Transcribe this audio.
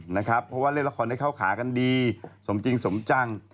เพราะว่าเล่นละครได้เข้าขากันดีสมจริงสมจัง